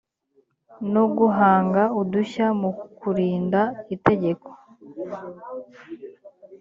no guhanga udushya mu kurinda itegeko